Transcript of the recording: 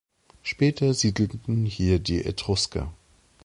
Später siedelten hier die Etrusker.